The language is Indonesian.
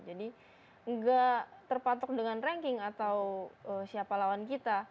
jadi gak terpatok dengan ranking atau siapa lawan kita